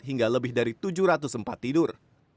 hingga lebih dari tujuh ratus tempat tidur